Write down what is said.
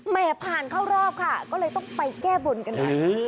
แหมผ่านเข้ารอบค่ะก็เลยต้องไปแก้บนกันกัน